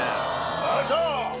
よいしょ！